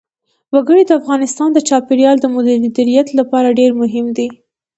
وګړي د افغانستان د چاپیریال د مدیریت لپاره ډېر مهم دي.